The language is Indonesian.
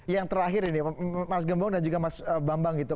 yang terakhir ini mas gembong dan juga mas bambang gitu